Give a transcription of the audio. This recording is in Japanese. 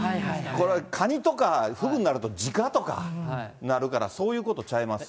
これカニとか、フグになると時価とかになるから、そういうことちゃいます。